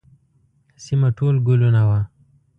سیمه ټول ګلونه وه.